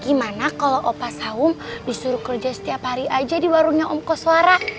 gimana kalo opa sahum disuruh kerja setiap hari aja di warungnya om koswara